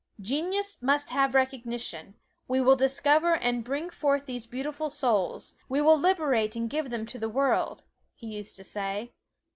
"Genius must have recognition we will discover and bring forth these beautiful souls; we will liberate and give them to the world," he used to say.